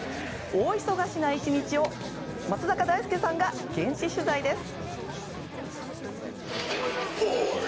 大忙しな１日を松坂大輔さんが現地取材です。